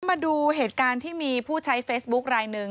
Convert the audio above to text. มาดูเหตุการณ์ที่มีผู้ใช้เฟซบุ๊คลายหนึ่ง